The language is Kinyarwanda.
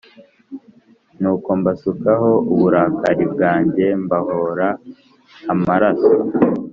Nuko mbasukaho uburakari bwanjye mbahora amaraso